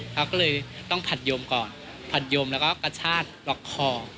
เขาก็เลยต้องผัดยมก่อนผัดยมแล้วก็กระชากล็อกคอ